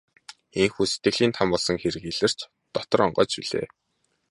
Ийнхүү сэтгэлийн там болсон хэрэг илэрч дотор онгойж билээ.